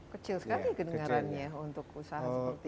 kecil sekali kedengarannya untuk usaha seperti ini